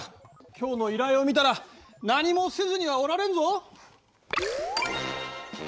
今日の依頼を見たら何もせずにはおられんぞ。